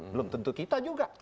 belum tentu kita juga